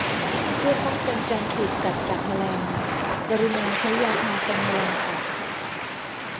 เพื่อป้องกันการถูกกัดจากแมลง กรุณาใช้ยาทากันแมลงกัด